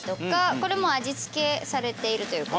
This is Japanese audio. これもう味つけされているという事で。